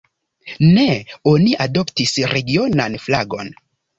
Ne oni adoptis regionan flagon.